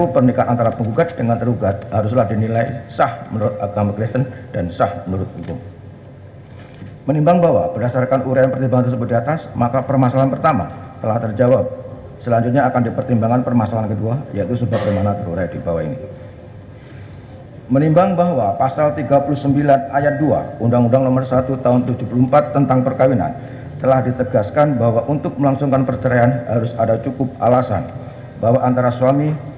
pertama penggugat akan menerjakan waktu yang cukup untuk menerjakan si anak anak tersebut yang telah menjadi ilustrasi